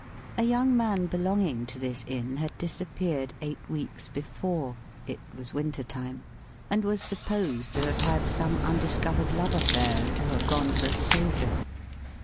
A young man belonging to this Inn had disappeared eight weeks before (it was winter time), and was supposed to have had some undiscovered love affair, and to have gone for a soldier.